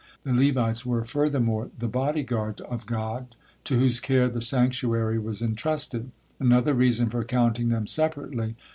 The Levites were, furthermore, the body guard of God, to whose care the sanctuary was entrusted another reason for counting them separately.